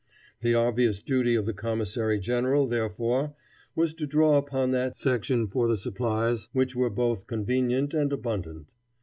The obvious duty of the commissary general, therefore, was to draw upon that section for the supplies which were both convenient and abundant.